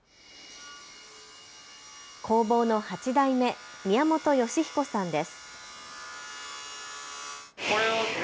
工房の８代目、宮本芳彦さんです。